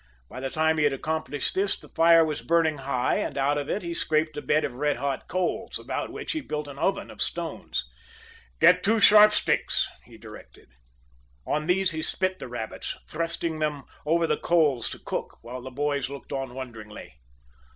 By the time he had accomplished this the fire was burning high, and out of it he scraped a bed of red hot coals, about which he built an oven of stones. "Get two sharp sticks," he directed. On these he spit the rabbits, thrusting them over the coals to cook, while the boys looked on wonderingly.